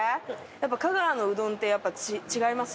香川のうどんってやっぱり違います？